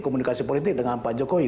komunikasi politik dengan pak jokowi